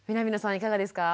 いかがですか？